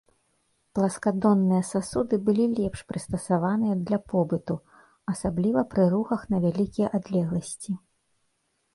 Пласкадонныя сасуды былі лепш прыстасаваныя для побыту, асабліва пры рухах на вялікія адлегласці.